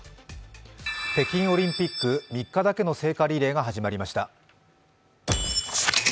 北京オリンピック、３日だけの聖火リレーが始まりました。